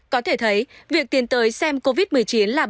có thể thấy việc tiến tới xem covid một mươi chín là bệnh chất đặc thù